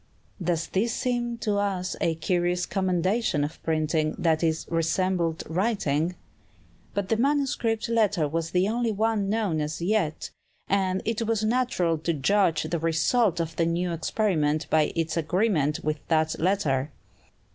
Does this seem to us a curious commendation of printing, that it resembled writing? But the manuscript letter was the only one known as yet, and it was natural to judge the result of the new experiment by its agreement with that letter.